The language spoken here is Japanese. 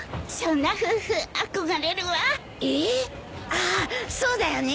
ああそうだよね。